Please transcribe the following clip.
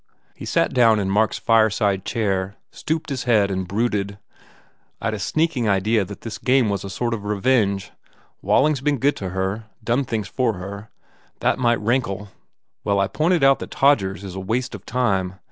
He sat down in Mark s fireside chair, stooped his head and brooded, "I d a sneak ing idea that this game was a sort of revenge. 276 THE WALLING Waiting s been good to her done things for her. That might rankle. Well, I pointed out that Todgers is a waste of time.